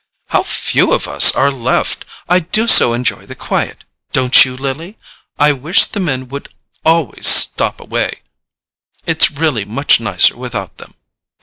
"How few of us are left! I do so enjoy the quiet—don't you, Lily? I wish the men would always stop away—it's really much nicer without them.